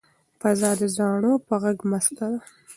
فضا د زاڼو په غږ مسته ده.